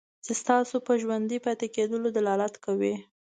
چې ستاسو په ژوندي پاتې کېدلو دلالت کوي.